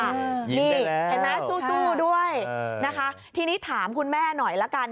ยิงได้แล้วค่ะนะคะทีนี้ถามคุณแม่หน่อยละกัน